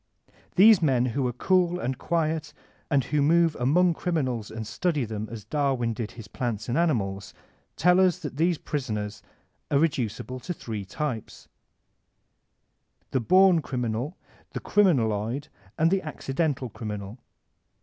These men who are cool and quiet and who move among criminals and study them as Dar win did his plants and animals, tell us that these prisoners are reducible to three types: The Bom Criminal, the Criminaloid, and the Accidental Criminal.